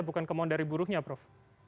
bukan kemauan dari buruhnya prof